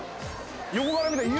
横から見たら「Ｕ」。